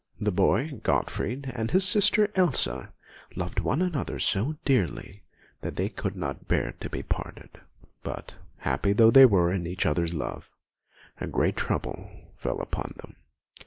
The boy, Gottfried, and his sister, Elsa, loved one another so dearly that they could not bear to be parted; but, happy though they were in each other's love, a great trouble fell upon them.